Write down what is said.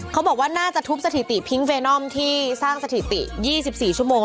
เขาบอกว่าน่าจะทุบสถิติพิงเวนอมที่สร้างสถิติ๒๔ชั่วโมง